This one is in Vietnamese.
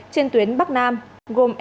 trên tuyến bắc nam gồm